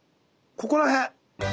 ここら辺。